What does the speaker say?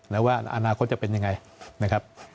แล้วว่าอนาคตจะเป็นยังไงนะครับ